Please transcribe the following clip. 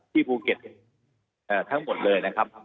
ภูเก็ตทั้งหมดเลยนะครับ